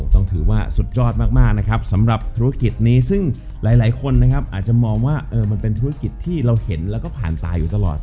ต้องถือว่าสุดยอดมากนะครับสำหรับธุรกิจนี้ซึ่งหลายคนนะครับอาจจะมองว่ามันเป็นธุรกิจที่เราเห็นแล้วก็ผ่านตาอยู่ตลอด